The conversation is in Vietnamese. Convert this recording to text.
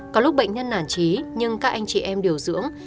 có lúc bệnh nhân nản trí nhưng các anh chị em điều dưỡng